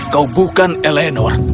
kau bukan eleanor